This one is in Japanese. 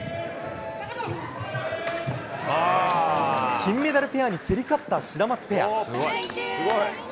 金メダルペアに競り勝ったシダマツペア。